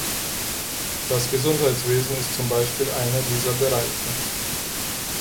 Das Gesundheitswesen ist zum Beispiel einer dieser Bereiche.